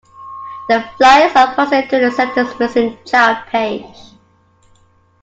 The flyers are posted to the Center's missing child page.